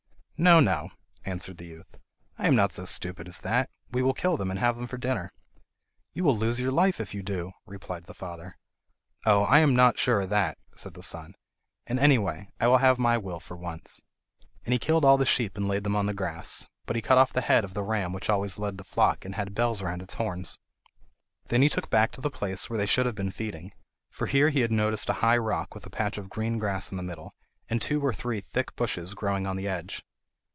"No, no," answered the youth; "I am not so stupid as that! We will kill them and have them for dinner." "You will lose your life if you do," replied the father. "Oh, I am not sure of that!" said the son, "and, anyway, I will have my will for once." And he killed all the sheep and laid them on the grass. But he cut off the head of the ram which always led the flock and had bells round its horns. This he took back to the place where they should have been feeding, for here he had noticed a high rock, with a patch of green grass in the middle and two or three thick bushes growing on the edge.